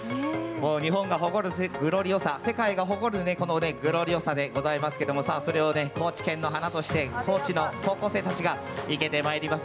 日本が誇るグロリオサ世界が誇るグロリオサですがそれを高知県の花として高知の高校生たちが生けてまいります。